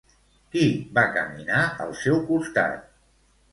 Qui va caminar al seu costat?